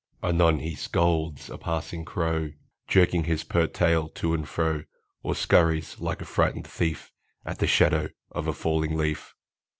Anon he scolds a passing crow, Jerking his pert tail to and fro, Or scurries like a frightened thief At shadow of a falling leaf.